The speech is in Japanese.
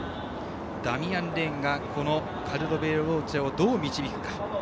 ダミアン・レーンがカルロヴェローチェをどう導くか。